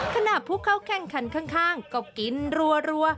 ขณะผู้เข้าแข่งขันข้างก็กินรัว